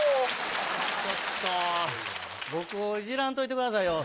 ちょっと僕をいじらんといてくださいよ。